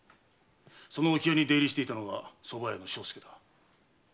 その置屋に出入りしていたのが蕎麦屋の庄助だ。